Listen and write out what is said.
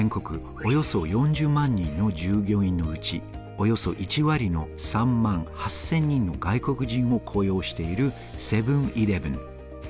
およそ４０万人の従業員のうちおよそ１割の、３万８０００人の外国人を雇用している、セブン−イレブン。